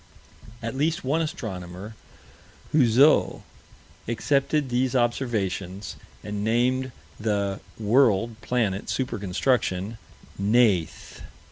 At least one astronomer, Houzeau, accepted these observations and named the world, planet, super construction "Neith."